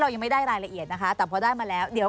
ยังไม่ได้รายละเอียดนะคะแต่พอได้มาแล้วเดี๋ยว